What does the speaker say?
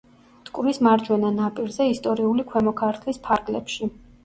მტკვრის მარჯვენა ნაპირზე, ისტორიული ქვემო ქართლის ფარგლებში.